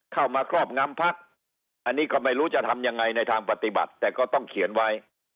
ครอบงำพักอันนี้ก็ไม่รู้จะทำยังไงในทางปฏิบัติแต่ก็ต้องเขียนไว้